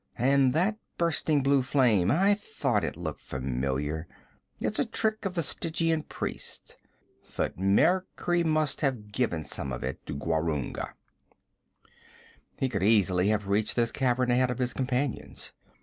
And that bursting blue flame I thought it looked familiar. It's a trick of the Stygian priests. Thutmekri must have given some of it to Gwarunga.' He could easily have reached this cavern ahead of his companions.